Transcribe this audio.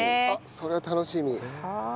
それは楽しみ。